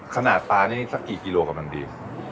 ขนาดปลานี่สักกี่กิโลกับมันดี